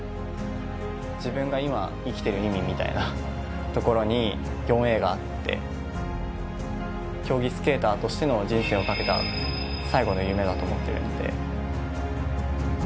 自分が今生きている意味みたいなところに４Ａがあって、競技スケーターとしての人生をかけた最後の夢だと思ってるんで。